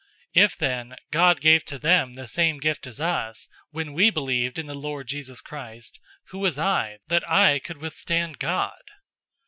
011:017 If then God gave to them the same gift as us, when we believed in the Lord Jesus Christ, who was I, that I could withstand God?"